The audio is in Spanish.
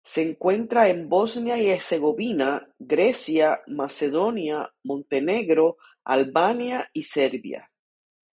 Se encuentra en Bosnia y Herzegovina, Grecia, Macedonia, Montenegro, Albania y Serbia.